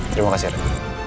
terima kasih rek